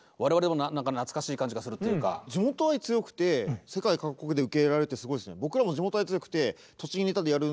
地元愛強くて世界各国で受け入れられるってすごいですね。